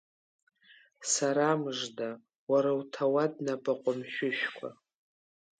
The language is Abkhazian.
Сара, мыжда, уара уҭауад напы ҟәымшәышәқәа!